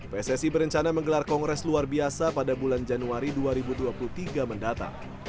pssi berencana menggelar kongres luar biasa pada bulan januari dua ribu dua puluh tiga mendata